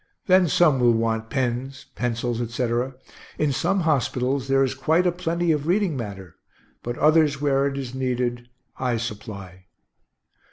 Then some will want pens, pencils, etc. In some hospitals there is quite a plenty of reading matter; but others, where it is needed, I supply.